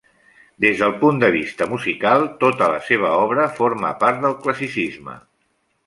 Des del punt de vista musical, tota la seva obra forma part del Classicisme.